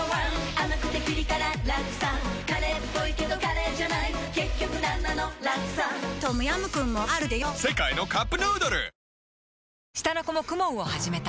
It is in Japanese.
甘くてピリ辛ラクサカレーっぽいけどカレーじゃない結局なんなのラクサトムヤムクンもあるでヨ世界のカップヌードル下の子も ＫＵＭＯＮ を始めた